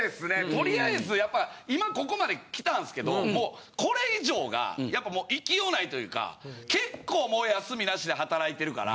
とりあえずやっぱ今ここまで来たんすけどもうこれ以上がやっぱもう行きようないというか結構もう休みなしで働いてるから。